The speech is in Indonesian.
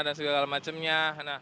dan segala macamnya